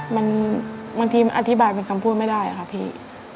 บางทีอธิบายเป็นคำพูดไม่ได้ค่ะพี่